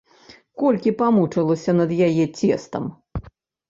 Колькі памучылася над яе цестам!